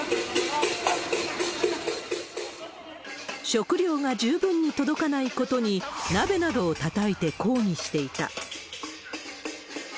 食料が十分に届かないことに、鍋などをたたいて抗議していた。